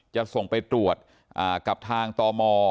จะส่งไปตรวจกับทางตม